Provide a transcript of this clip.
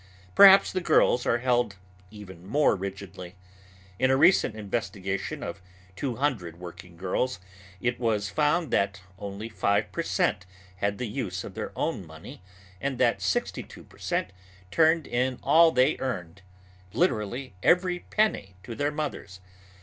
Perhaps the girls are held even more rigidly. In a recent investigation of two hundred working girls it was found that only five per cent had the use of their own money and that sixty two per cent turned in all they earned, literally every penny, to their mothers.